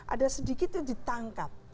ada sedikit yang ditangkap